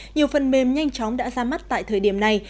nhiều phần mềm nhanh chóng đã ra mắt tại thời điểm này